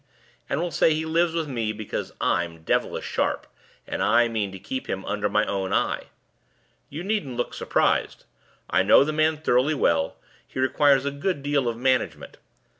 and we'll say he lives with me, because I'm devilish sharp, and I mean to keep him under my own eye. You needn't look surprised. I know the man thoroughly well; he requires a good deal of management.